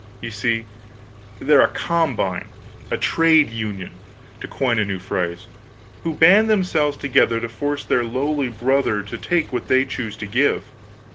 You see? They're a 'combine' a trade union, to coin a new phrase who band themselves together to force their lowly brother to take what they choose to give.